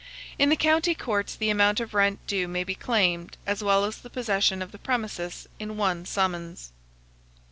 In the county courts the amount of rent due may be claimed, as well as the possession of the premises, in one summons.